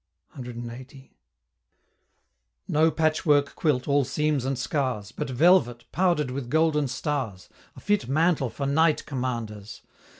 CLXXX. No patchwork quilt, all seams and scars, But velvet, powder'd with golden stars, A fit mantle for Night Commanders!